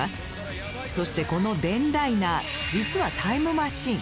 そしてこの「デンライナー」実はタイムマシン。